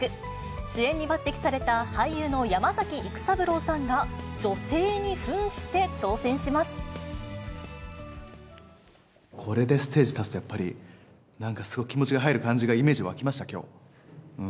主演に抜てきされた俳優の山崎育三郎さんが女性にふんして挑戦しこれでステージ立つと、やっぱり、なんかすごく気持ちが入る感じが、イメージ湧きました、きょう。